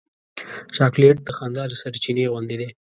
چاکلېټ د خندا د سرچېنې غوندې دی.